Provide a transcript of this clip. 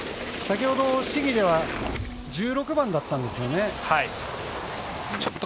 先ほど、試技では１６番だったんですよね。